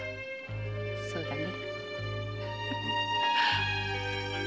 そうだね。